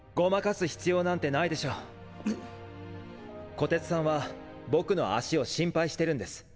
虎徹さんは僕の足を心配してるんです。